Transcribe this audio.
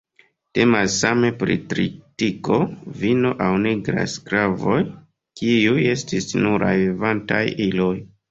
Temas same pri tritiko, vino, aŭ nigraj sklavoj, kiuj estis nuraj "vivantaj iloj".